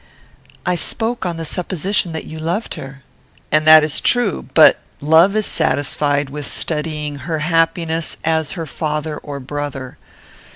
"I spoke on the supposition that you loved her." "And that is true; but love is satisfied with studying her happiness as her father or brother.